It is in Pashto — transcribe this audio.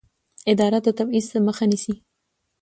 اداره د تبعیض مخه نیسي.